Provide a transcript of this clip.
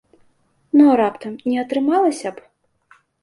Ну а раптам не атрымалася б?